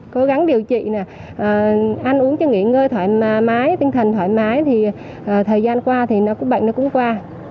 cố gắng điều trị ăn uống cho nghỉ ngơi thoải mái tinh thần thoải mái thì thời gian qua thì nó cũng bệnh nó cũng qua